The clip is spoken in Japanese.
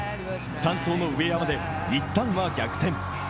３走の上山で一旦は逆転。